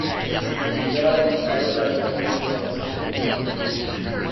They are among the five tribes recognized by the state.